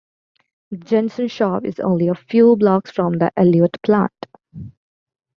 The Jensen shop is only a few blocks from the Elliott plant.